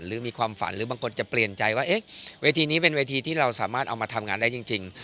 หรือมีความฝันหรือบางคนจะเปลี่ยนใจว่าเอ๊ะเวทีนี้เป็นเวทีที่เราสามารถเอามาทำงานได้จริง